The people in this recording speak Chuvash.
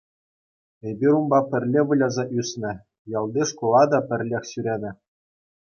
Эпир унпа пӗрле выляса ӳснӗ, ялти шкула та пӗрлех ҫӳренӗ.